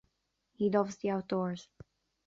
He loves the outdoors.